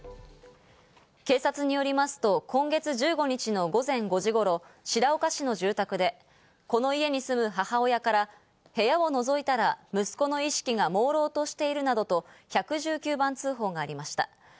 警察によりますと今月１５日の午前５時頃、白岡市の住宅で、この家に住む母親から、部屋をのぞいたら息子の意識が朦朧としているなどと１１９番通報がありました。